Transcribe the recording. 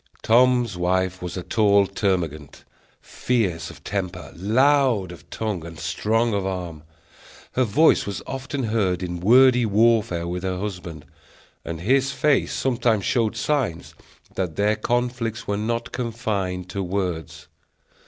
Tom's wife was a tall termagant, fierce of temper, loud of tongue, and strong of arm. Her voice was often heard in wordy warfare with her husband; and his face sometimes showed signs that their conflicts were not confined to words.